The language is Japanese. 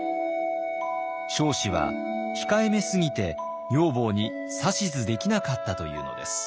彰子は控えめすぎて女房に指図できなかったというのです。